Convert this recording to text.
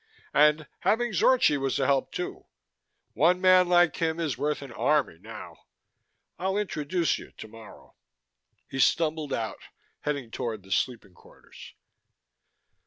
And having Zorchi was a help, too one man like him is worth an army now. I'll introduce you tomorrow." He stumbled out, heading toward the sleeping quarters.